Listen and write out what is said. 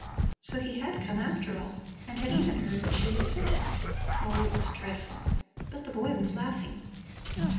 So he had come after all and had even heard what she had said. Oh, it was dreadful! But the boy was laughing.